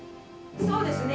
そうですね。